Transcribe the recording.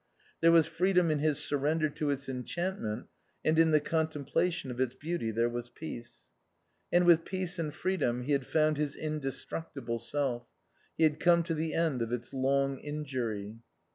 There was freedom in his surrender to its enchantment and in the contemplation of its beauty there was peace. And with peace and freedom he had found his indestructible self; he had come to the end of its long injury.